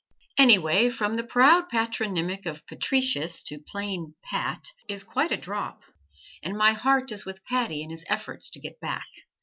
Anyway, from the proud patronymic of Patricius to plain Pat is quite a drop, and my heart is with Paddy in his efforts to get back.